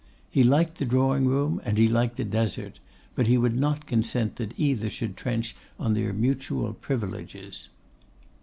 He liked the drawing room, and he liked the Desert, but he would not consent that either should trench on their mutual privileges.